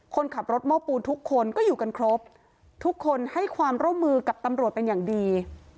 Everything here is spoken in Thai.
คนขับรถโม้ปูนทุกคนก็อยู่กันครบทุกคนให้ความร่วมมือกับตำรวจเป็นอย่างดี